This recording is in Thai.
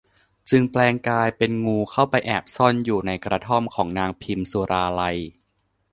จึงแปลงกายเป็นงูเข้าไปแอบซ่อนอยู่ในกระท่อมของนางพิมสุราลัย